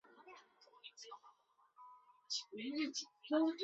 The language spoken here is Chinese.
人格面具是驾驭心灵而得到的力量。